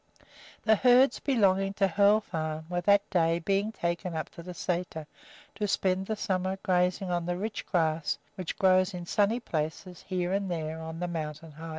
The herds belonging to Hoel Farm were that day being taken up to the sæter, to spend the summer grazing on the rich grass which grows in sunny spaces here and there on the mountain heights.